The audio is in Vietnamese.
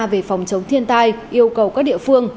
về phòng chống thiên tai yêu cầu các địa phương